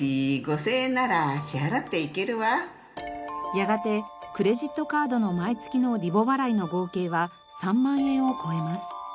やがてクレジットカードの毎月のリボ払いの合計は３万円を超えます。